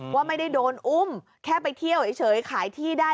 ว่าไม่ได้โดนอุ้มแค่ไปเที่ยวเฉยขายที่ได้